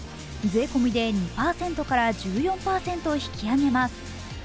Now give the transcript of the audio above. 税込みで２％から１４％引き上げます。